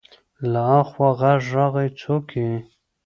له اخوا غږ راغی: څوک يې؟